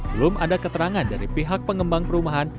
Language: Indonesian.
belum ada keterangan dari pihak pengembang perumahan